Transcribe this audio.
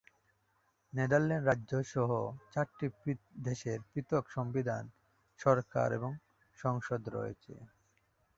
Netherlands রাজ্য সহ চারটি দেশের পৃথক সংবিধান, সরকার এবং সংসদ রয়েছে।